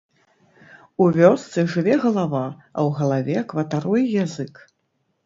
У вёсцы жыве галава, а ў галаве кватаруе язык.